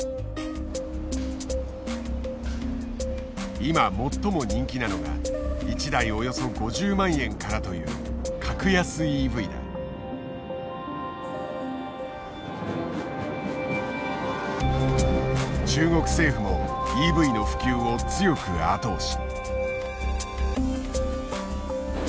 今最も人気なのが１台およそ５０万円からという中国政府もＥＶの普及を強く後押し。